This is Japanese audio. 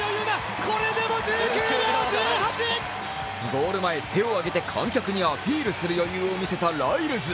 ゴール前、手を上げて観客にアピールする余裕を見せたライルズ。